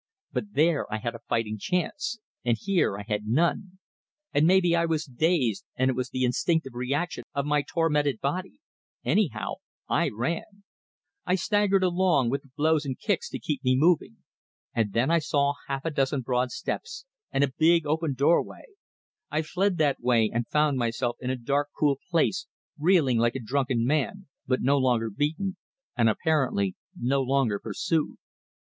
But there I had a fighting chance, and here I had none; and maybe I was dazed, and it was the instinctive reaction of my tormented body anyhow, I ran. I staggered along, with the blows and kicks to keep me moving. And then I saw half a dozen broad steps, and a big open doorway; I fled that way, and found myself in a dark, cool place, reeling like a drunken man, but no longer beaten, and apparently no longer pursued.